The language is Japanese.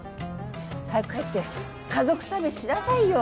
早く帰って家族サービスしなさいよ。